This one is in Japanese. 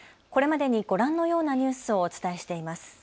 これまでにご覧のようなニュースをお伝えしています。